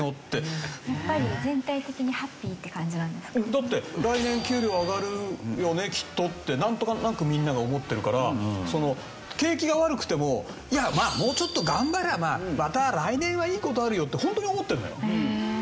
だって来年給料上がるよねきっとってなんとなくみんなが思ってるから景気が悪くてもいやもうちょっと頑張ればまた来年はいい事あるよってホントに思ってるんだよ。